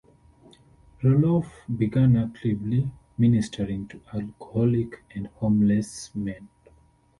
Roloff began actively ministering to alcoholic and homeless men.